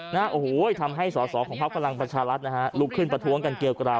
นะฮะโอ้โหทำให้สอสอของพักพลังประชารัฐนะฮะลุกขึ้นประท้วงกันเกลียวกราว